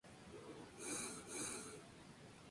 Por su papel fue de nuevo candidata al Premio Goya.